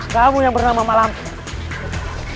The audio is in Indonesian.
kamu yang bernama malampir